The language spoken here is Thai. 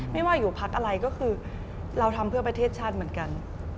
ไม่ว่าอยู่พักอะไรก็คือเราทำเพื่อประเทศชาติเหมือนกัน